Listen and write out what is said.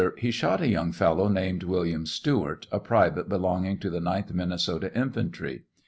He shot a young fellow named William Stewart, a private belonging to the 9th Min nesota infantry.